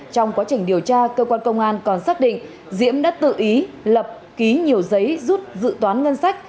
trong quá trình điều tra cơ quan công an còn xác định diễm đã tự ý lập ký nhiều giấy rút dự toán ngân sách